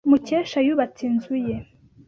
Mukesha yubatse inzu ye.